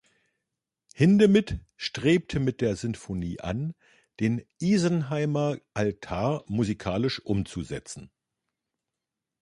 Hindemith strebte mit der Sinfonie an, den Isenheimer Altar musikalisch umzusetzen.